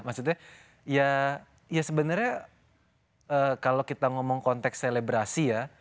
maksudnya ya sebenarnya kalau kita ngomong konteks selebrasi ya